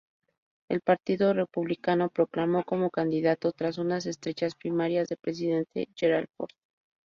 El Partido Republicano proclamó como candidato, tras unas estrechas primarias, al presidente Gerald Ford.